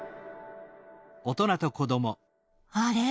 あれ？